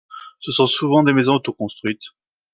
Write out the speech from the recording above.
Ce sont souvent des maisons auto-construites.